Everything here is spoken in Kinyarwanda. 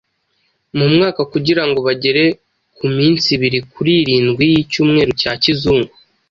mu mwaka kugirango bagere ku minsi ibiri kuri irindwi y'icyumweru cya Kizungu.